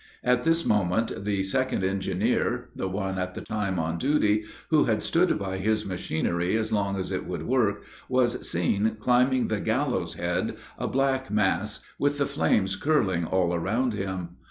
At this moment the second engineer, the one at the time on duty, who had stood by his machinery as long as it would work, was seen climbing the gallows head, a black mass, with the flames curling all around him.